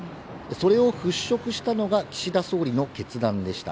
それを払拭したのが岸田総理の決断でした。